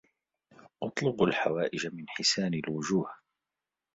اُطْلُبُوا الْحَوَائِجَ مِنْ حِسَانِ الْوُجُوهِ